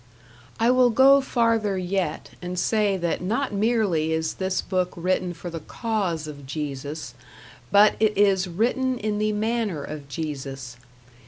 I will go farther yet and say that not merely is this book written for the cause of Jesus, but it is written in the manner of Jesus.